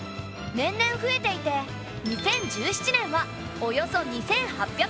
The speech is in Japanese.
年々増えていて２０１７年はおよそ２，８００万人。